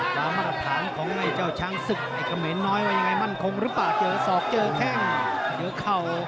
มาตรฐานของไอ้เจ้าช้างศึกไอ้เขมรน้อยว่ายังไงมั่นคงหรือเปล่าเจอศอกเจอแข้งเจอเข่า